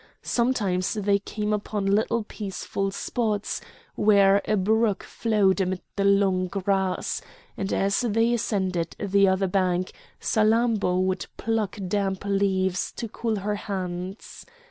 Sometimes they came upon little peaceful spots, where a brook flowed amid the long grass; and as they ascended the other bank Salammbô would pluck damp leaves to cool her hands.